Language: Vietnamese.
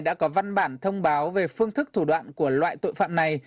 đã có văn bản thông báo về phương thức thủ đoạn của loại tội phạm này